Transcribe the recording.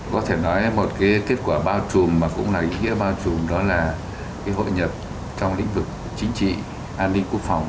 có thể nói một kết quả bao trùm mà cũng là ý nghĩa bao trùm đó là hội nhập trong lĩnh vực chính trị an ninh quốc phòng